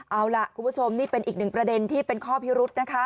เอาล่ะคุณผู้ชมนี่เป็นอีกหนึ่งประเด็นที่เป็นข้อพิรุษนะคะ